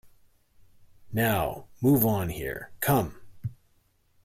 Now move on here - come!